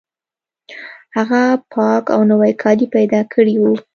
هغه پاک او نوي کالي پیدا کړي وو